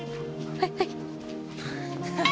はいはい。